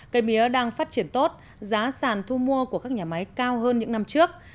cây mía đang phát triển tốt giá sàn thu mua của các nhà máy cao hơn những năm trước